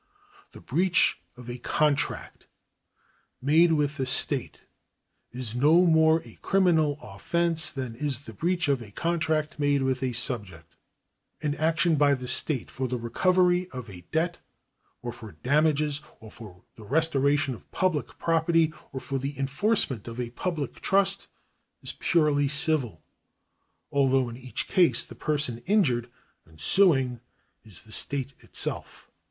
The breach of a contract made with the state is no more a criminal offence than is the breach of a contract made with a subject. An action by the state for the recovery of a debt, or for damages, or for the restoration of public property, or for the enforcement of a public trust, is purely civil, although in each case the person injured and suing is the state itself.